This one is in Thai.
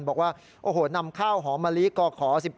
บอกว่าโอ้โหนำข้าวหอมมะลิกอขอ๑๙